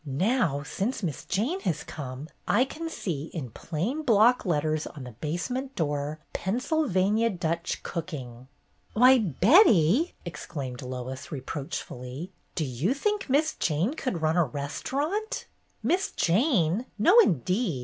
Now, since Miss Jane has come, I can see in plain block letters on the basement door 'Pennsylvania Dutch Cooking."'' "Why, Betty," exclaimed Lois, reproach fully, "do you think Miss Jane could run a restaurant ?" "Miss Jane! No, indeed.